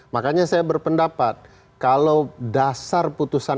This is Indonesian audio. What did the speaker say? makanya saya berpendapat kalau dasar putusan